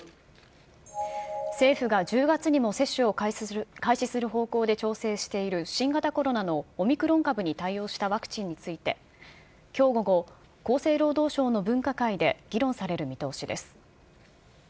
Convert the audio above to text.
政府が１０月にも接種を開始する方向で調整している新型コロナのオミクロン株に対応したワクチンについて、きょう午後、厚生労働省の分科会で議論される見通しです。